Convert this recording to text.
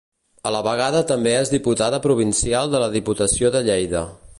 A la vegada també és diputada provincial de la Diputació de Lleida.